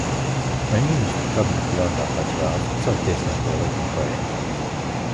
Vai Ministru kabineta vārdā kāds vēlas atsaukt iesniegto likumprojektu?